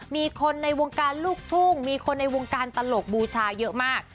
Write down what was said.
มีคนในวงการลูกทุ่งมีคนในวงการตลกบูชาเยอะมาก